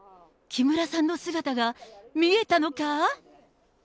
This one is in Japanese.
木村さんの姿が見えたのか？